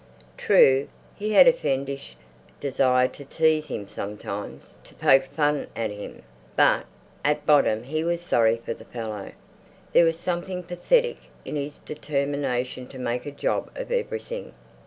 True, he had a fiendish desire to tease him sometimes, to poke fun at him, but at bottom he was sorry for the fellow. There was something pathetic in his determination to make a job of everything.